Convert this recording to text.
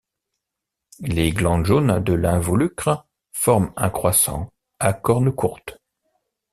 Les glandes jaunes de l'involucre forment un croissant, à cornes courtes.